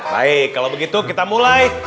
baik kalau begitu kita mulai